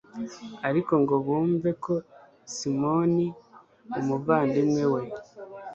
ariko ngo bumve ko simoni, umuvandimwe we